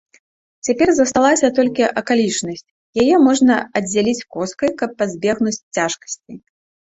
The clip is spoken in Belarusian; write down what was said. Цяпер засталася толькі акалічнасць, яе можна аддзяліць коскай, каб пазбегнуць цяжкасцей.